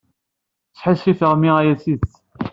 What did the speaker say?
Sḥissifeɣ imi aya d tidet.